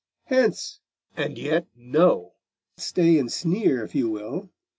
hence ; and yet no: stay and sneer if you will.